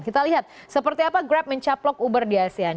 kita lihat seperti apa grab mencaplok uber di asean